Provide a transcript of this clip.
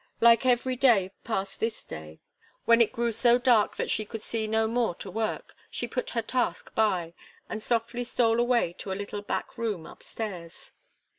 Like every day passed this day. When it grew so dark that she could see no more to work, she put her task by, and softly stole away to a little back room up stairs.